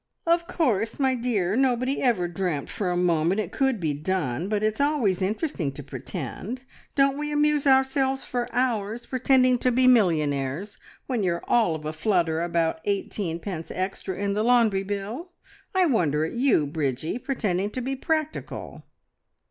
"Of course, my dear, nobody ever dreamt for a moment it could be done, but it's always interesting to pretend. Don't we amuse ourselves for hours pretending to be millionaires, when you're all of a flutter about eighteen pence extra in the laundry bill? I wonder at you, Bridgie, pretending to be practical."